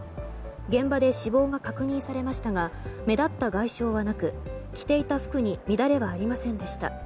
現場で死亡が確認されましたが目立った外傷はなく着ていた服に乱れはありませんでした。